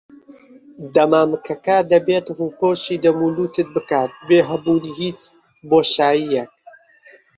دەمامکەکە دەبێت ڕووپۆشی دەم و لوتت بکات بێ هەبوونی هیچ بۆشاییەک.